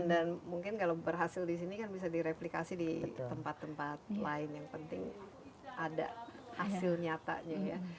mungkin kalau berhasil di sini kan bisa direplikasi di tempat tempat lain yang penting ada hasil nyatanya ya